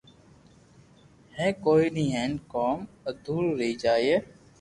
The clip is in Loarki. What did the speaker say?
ھي ڪوئي ني ھين ڪوم ادھورو رئي جائي